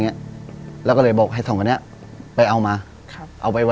เอาไว้ตรงนี้